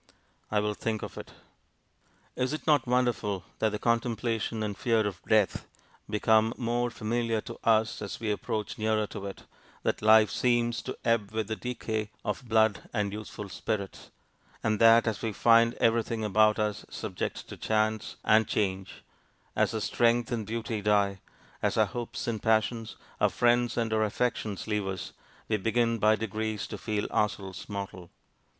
_ I will think of it. It is not wonderful that the contemplation and fear of death become more familiar to us as we approach nearer to it: that life seems to ebb with the decay of blood and youthful spirits; and that as we find everything about us subject to chance and change, as our strength and beauty die, as our hopes and passions, our friends and our affections leave us, we begin by degrees to feel ourselves mortal!